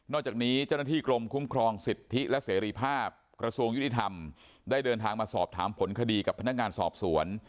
จากนี้เจ้าหน้าที่กรมคุ้มครองสิทธิและเสรีภาพกระทรวงยุติธรรมได้เดินทางมาสอบถามผลคดีกับพนักงานสอบสวน